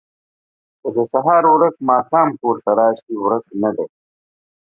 که د سهار ورک ماښام کور ته راشي، ورک نه دی.